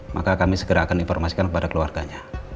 maka kami segera akan informasikan kepada keluarganya